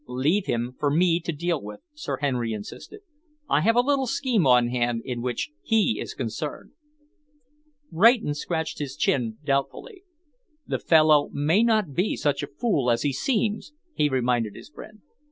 "Leave him for me to deal with," Sir Henry insisted. "I have a little scheme on hand in which he is concerned." Rayton scratched his chin doubtfully. "The fellow may not be such a fool as he seems," he reminded his friend.